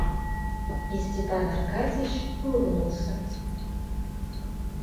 И Степан Аркадьич улыбнулся.